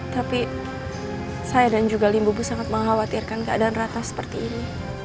tapi saya dan juga limbu bu sangat mengkhawatirkan keadaan rata seperti ini